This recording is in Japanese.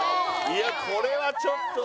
いやこれはちょっと。